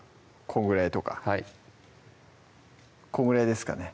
このぐらいとかはいこのぐらいですかね